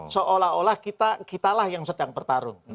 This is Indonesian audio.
seolah olah kitalah yang sedang bertarung